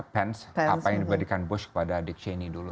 pence apa yang diberikan bush kepada dick cheney dulu